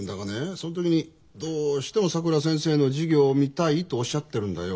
その時にどうしてもさくら先生の授業を見たいとおっしゃってるんだよ。